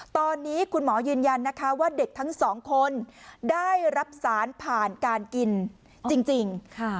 ตอนนี้คุณหมอยืนยันนะคะว่าเด็กทั้งสองคนได้รับสารผ่านการกินจริง